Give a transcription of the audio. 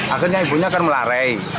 akhirnya ibunya akan melarai